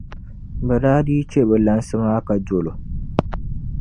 bɛ daa dii chɛ bɛ lansi maa ka dol’ o.